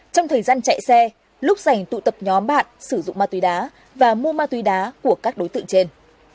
trong thời gian chạy xe lúc sành tụ tập nhóm bạn sử dụng ma túy đá và mua ma túy đá của các đối tượng trên